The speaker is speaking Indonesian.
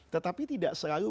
tetapi tidak selalu